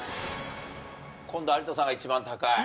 今度有田さんが一番高い。